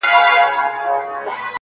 لاس یې پورته د غریب طوطي پر سر کړ،